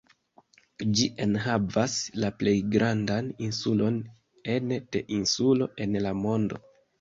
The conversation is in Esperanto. Ĝi enhavas la plej grandan insulon ene de insulo en la mondo.